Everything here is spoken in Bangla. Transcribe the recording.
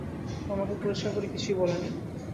ও আমাকে পরিষ্কার করে কিছুই বলেনি।